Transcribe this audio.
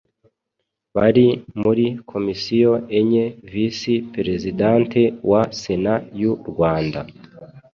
bari muri Komisiyo enye. Visi Prezidante wa Sena y’u Rwanda